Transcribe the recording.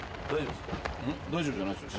大丈夫じゃないっすよ。